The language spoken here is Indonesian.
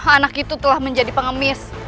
anak itu telah menjadi pengemis